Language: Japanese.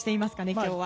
今日は。